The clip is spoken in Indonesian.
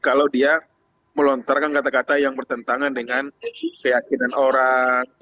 kalau dia melontarkan kata kata yang bertentangan dengan keyakinan orang